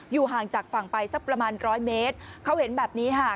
ห่างจากฝั่งไปสักประมาณร้อยเมตรเขาเห็นแบบนี้ค่ะ